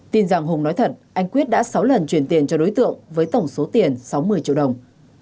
tin rằng hùng nói thật anh quyết đã sáu lần chuyển tiền cho đối tượng với tổng số tiền sáu mươi triệu đồng